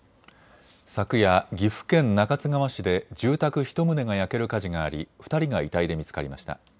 昨夜、岐阜県中津川市で住宅１棟が焼ける火事があり２人が遺体で見つかりました。